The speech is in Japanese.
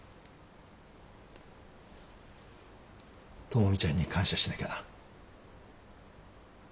知美ちゃんに感謝しなきゃな。